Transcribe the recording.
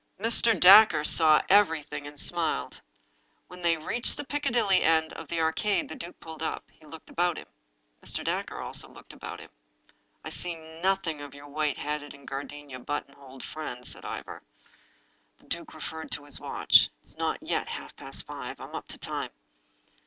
Mr. Dacre saw ever)rthing, and smiled. When they reached the Piccadilly end of the Arcade the duke pulled up. He looked about him. Mr. Dacre also looked about him. " I see nothing of your white hatted and gardenia button holed friend," said Ivor. The duke referred to his watch. " It's not yet half past five. I'm up to time."